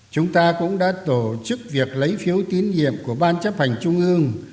chúng ta cũng đã tổ chức việc lấy phiếu tín nhiệm của ban chấp hành trung ương